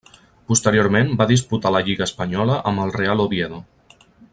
Posteriorment va disputar la lliga espanyola amb el Real Oviedo.